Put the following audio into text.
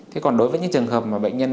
thế còn đối với những trường hợp mà bệnh nhân